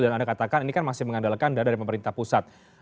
dan anda katakan ini kan masih mengandalkan daerah dari pemerintah pusat